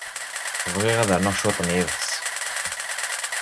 Bɣiɣ ad rnuɣ cwiṭ n yiḍes.